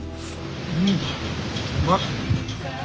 うんうまい。